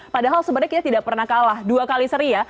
padahal sebenarnya kita tidak pernah kalah dua kali seri ya